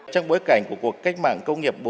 trong bối cảnh của cuộc cách mạng công nghiệp bốn